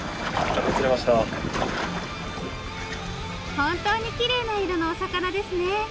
本当にきれいな色のお魚ですね。